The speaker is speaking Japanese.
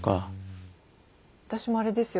私もあれですよ